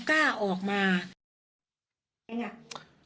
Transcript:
มันหมดแล้ว